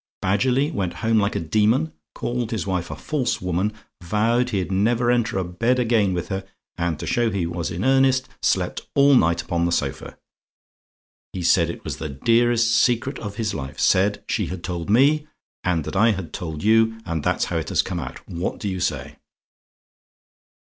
Badgerly went home like a demon; called his wife a false woman: vowed he'd never enter a bed again with her, and to show he was in earnest, slept all night upon the sofa. He said it was the dearest secret of his life; said she had told me; and that I had told you; and that's how it has come out. What do you say?